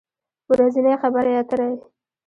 ورځنۍ خبری اتری